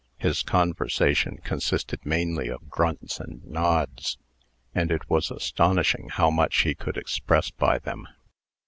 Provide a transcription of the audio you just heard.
His conversation consisted mainly of grunts and nods; and it was astonishing how much he could express by them.